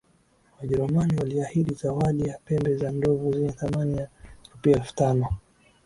Wajerumani waliahidi zawadi ya pembe za ndovu zenye thamani ya rupia elfu tano